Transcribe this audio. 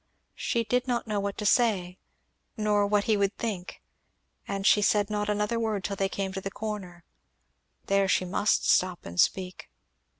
She did not know what to say, nor what he would think; and she said not another word till they came to the corner. There she must stop and speak.